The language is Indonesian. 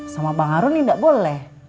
sama bang harun ini tidak boleh